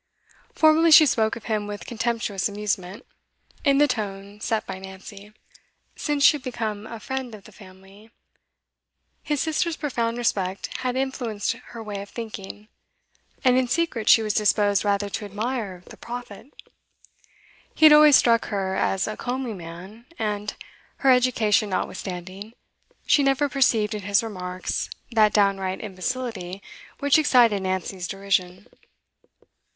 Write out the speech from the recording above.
Formerly she spoke of him with contemptuous amusement, in the tone set by Nancy; since she had become a friend of the family, his sisters' profound respect had influenced her way of thinking, and in secret she was disposed rather to admire 'the Prophet.' He had always struck her as a comely man, and, her education notwithstanding, she never perceived in his remarks that downright imbecility which excited Nancy's derision.